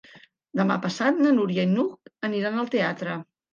Demà passat na Núria i n'Hug aniran al teatre.